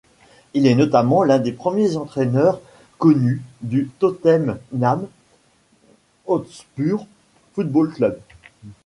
Il est notamment l'un des premiers entraîneurs connus du Tottenham Hotspur Football Club.